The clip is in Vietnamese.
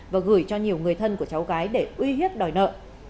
và gửi cho nhiều người thân của cháu gái để uy hiếp đòi nợ